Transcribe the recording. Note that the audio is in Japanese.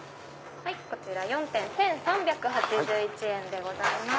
こちら４点１３８１円でございます。